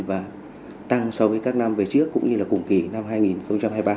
và tăng so với các năm về trước cũng như là cùng kỳ năm hai nghìn hai mươi ba